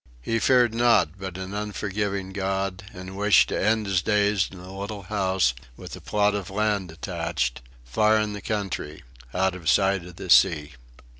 He feared naught but an unforgiving God, and wished to end his days in a little house, with a plot of ground attached far in the country out of sight of the sea.